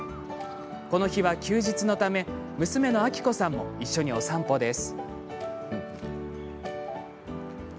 この日は休日のため娘の明子さんも一緒にお散歩です。